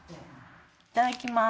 いただきます。